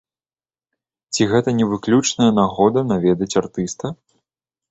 Ці гэта не выключная нагода наведаць артыста?